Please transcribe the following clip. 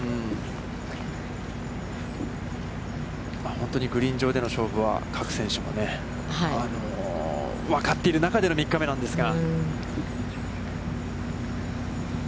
本当にグリーン上での勝負は、各選手も、分かってる中での３日目なんですが。